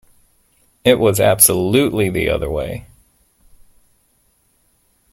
It was absolutely the other way.